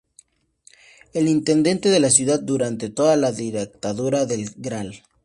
El Intendente de la Ciudad durante toda la dictadura del Gral.